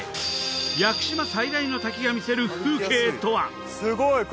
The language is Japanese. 屋久島最大の滝がみせる風景とは！？